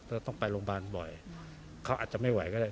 เราต้องไปโรงพยาบาลบ่อยเขาอาจจะไม่ไหวก็ได้